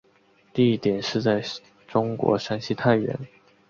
地点是在中国山西太原。